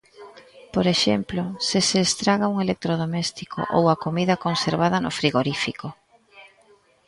Por exemplo, se se estraga un electrodoméstico ou a comida conservada no frigorífico.